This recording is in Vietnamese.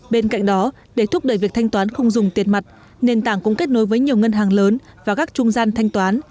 bên cạnh đó để thúc đẩy việc thanh toán không dùng tiền mặt nền tảng cũng kết nối với nhiều ngân hàng lớn và các trung gian thanh toán